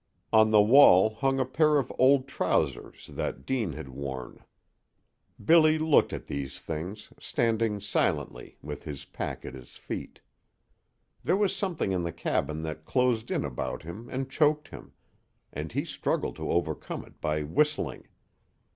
On the wall hung a pair of old trousers that Deane had worn. Billy looked at these things, standing silently, with his pack at his feet. There was something in the cabin that closed in about him and choked him, and he struggled to overcome it by whistling.